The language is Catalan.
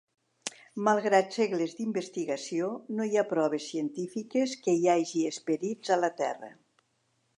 Malgrat segles d'investigació, no hi ha proves científiques que hi hagi esperits a la Terra.